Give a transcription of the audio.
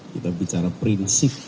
kita bicara prinsip kita bicara nilai